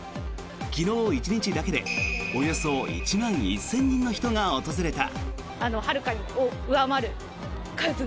昨日１日だけでおよそ１万１０００人の人が訪れた。